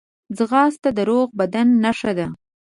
ځغاسته د روغ بدن نښه ده